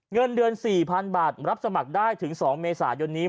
เงินเดือน๔๐๐๐บาทรับสมัครได้ถึง๒เมษายนนี้